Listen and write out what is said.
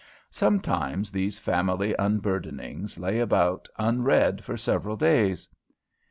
Sometimes these family unburdenings lay about unread for several days.